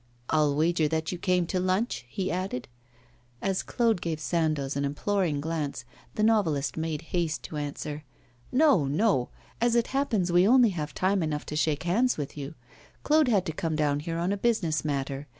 'I'll wager that you came to lunch?' he added. As Claude gave Sandoz an imploring glance, the novelist made haste to answer: 'No, no. As it happens, we only have time enough to shake hands with you. Claude had to come down here on a business matter.